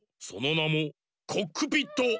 そのなもコックピットＸ！